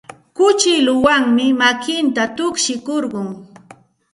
Kuchilluwanmi makinta tukshikurqun.